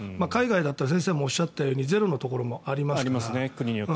海外だったら先生もおっしゃったようにゼロのところもありますから。